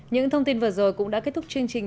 những thông tin vừa rồi cũng đã kết thúc chương trình